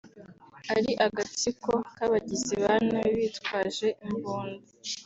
ari “agatsiko k’abagizi ba nabi bitwaje imbunda